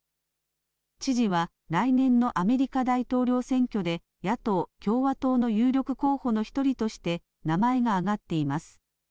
知事は来年のアメリカ大統領選挙で野党・共和党の有力候補の１人として名前が挙がっています。